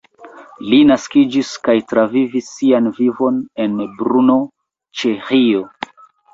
Li naskiĝis kaj travivis sian vivon en Brno, Ĉeĥio.